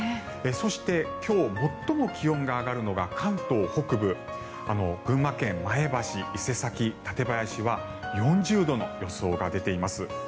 そして今日最も気温が上がるのが関東北部群馬県前橋、伊勢崎、舘林は４０度の予想が出ています。